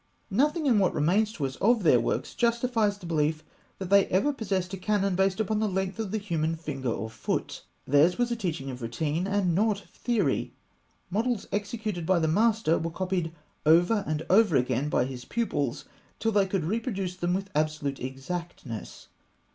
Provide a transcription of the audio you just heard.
Nothing in what remains to us of their works justifies the belief that they ever possessed a canon based upon the length of the human finger or foot. Theirs was a teaching of routine, and not of theory. Models executed by the master were copied over and over again by his pupils, till they could reproduce them with absolute exactness.